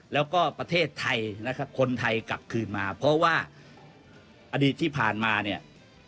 แล้วก็ประเทศไทยนะครับคนไทยกลับคืนมาเพราะว่าอดีตที่ผ่านมาเนี่ย